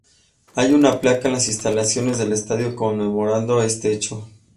Hay una placa en las instalaciones del estadio conmemorando este hecho.